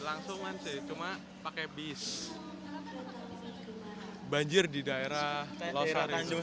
jadinya kan dialihkan ke jalur darat pakai bus